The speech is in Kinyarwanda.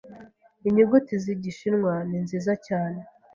Inyuguti z'igishinwa ni nziza cyane.